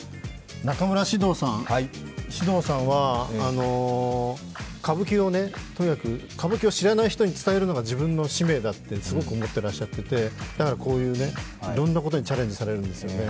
中村獅童さん、獅童さんはとにかく、歌舞伎を知らない人に伝えるのが自分の使命だとすごく思っていらっしゃっていてだから、こういういろいろなことにチャレンジされるんですよね。